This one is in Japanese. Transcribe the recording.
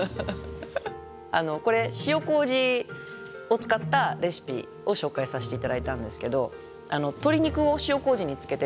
あのこれ塩こうじを使ったレシピを紹介させて頂いたんですけど鶏肉を塩こうじに漬けて。